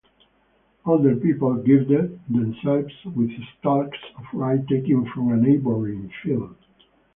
Older people girded themselves with stalks of rye taken from a neighboring field.